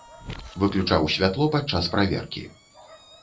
Выключаў святло падчас праверкі.